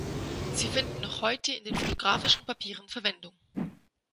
Sie finden noch heute in den fotografischen Papieren Verwendung.